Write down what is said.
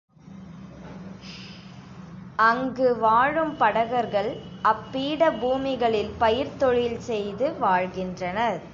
அங்கு வாழும் படகர்கள் அப்பீட பூமிகளில் பயிர்த் தொழில் செய்து வாழ்கின்றனர்.